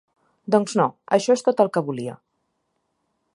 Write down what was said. Doncs no, això és tot el que volia.